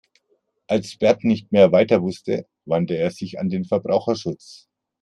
Als Bert nicht mehr weiter wusste, wandte er sich an den Verbraucherschutz.